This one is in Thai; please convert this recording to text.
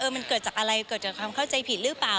มันเกิดจากอะไรเกิดจากความเข้าใจผิดหรือเปล่า